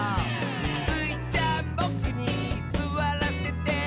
「スイちゃんボクにすわらせて？」